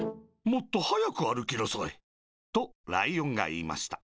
もっとはやくあるきなさい」とライオンがいいました。